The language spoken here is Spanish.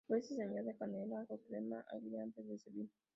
A veces se añade canela o crema agria antes de servir.